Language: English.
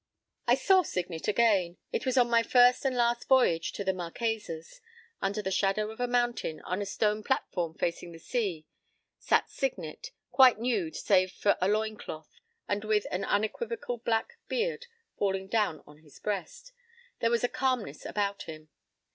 p> I saw Signet again. It was on my first and last voyage to the Marquesas. Under the shadow of a mountain, on a stone platform facing the sea, sat Signet, quite nude save for a loin cloth, and with an unequivocal black beard falling down on his breast. There was a calmness about him.